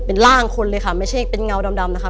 เป็นร่างคนเลยค่ะไม่ใช่เป็นเงาดำนะคะ